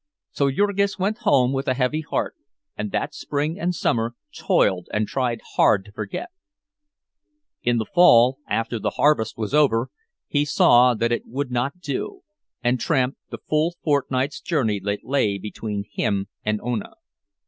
So Jurgis went home with a heavy heart, and that spring and summer toiled and tried hard to forget. In the fall, after the harvest was over, he saw that it would not do, and tramped the full fortnight's journey that lay between him and Ona.